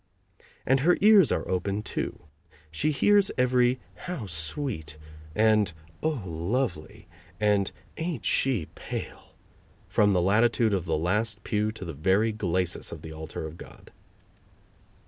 And her ears are open, too: she hears every "How sweet!" and "Oh, lovely!" and "Ain't she pale!" from the latitude of the last pew to the very glacis of the altar of God.